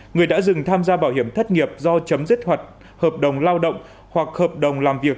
người đã dừng tham gia bảo hiểm thất nghiệp do chấm dứt hoạt hợp đồng lao động hoặc hợp đồng làm việc